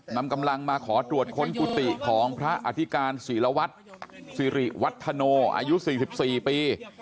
นำกำลังมาขอตรวจค้นกุฏิของพระอธิการศิลวัตรสิริวัฒโนอายุ๔๔ปี